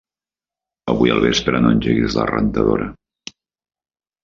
Avui al vespre no engeguis la rentadora.